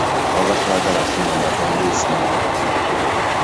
Oba toyagala kuŋŋamba tondwisa nno.